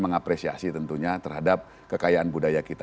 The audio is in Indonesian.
mengapresiasi tentunya terhadap kekayaan budaya kita